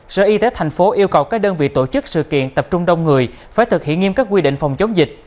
sở y tế tp yêu cầu các đơn vị tổ chức sự kiện tập trung đông người phải thực hiện nghiêm các quy định phòng chống dịch